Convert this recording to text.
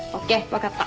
分かった。